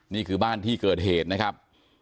นี่คือบ้านที่เกิดเหตุนะครับ